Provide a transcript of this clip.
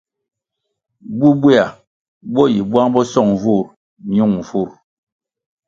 Bubweya bo yi bwang bo song nvurʼ nyun nvurʼ.